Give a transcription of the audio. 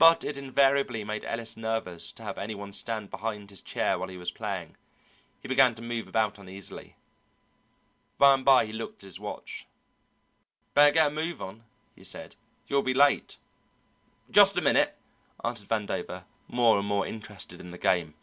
But it invariably made Ellis nervous to have any one stand behind his chair while he was playing; he began to move about uneasily. By and by he looked at his watch. "Better get a move on," he said, "you'll be late." "Just a minute," answered Vandover, more and more interested in the game.